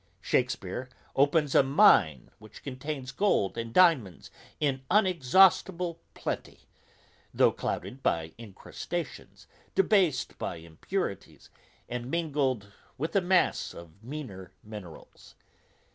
Shakespeare opens a mine which contains gold and diamonds in unexhaustible plenty, though clouded by incrustations, debased by impurities, and mingled with a mass of meaner minerals.